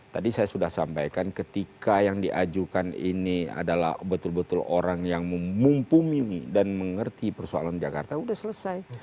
tadi saya sudah sampaikan ketika yang diajukan ini adalah betul betul orang yang memumpumi dan mengerti persoalan jakarta sudah selesai